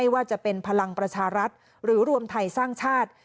ว่าจะเป็นพลังประชารัฐหรือรวมไทยสร้างชาติ